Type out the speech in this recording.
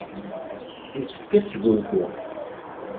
Yessefk ad sgunfuɣ.